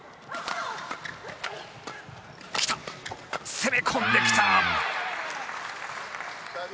攻め込んできた。